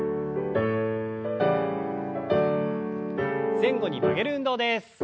前後に曲げる運動です。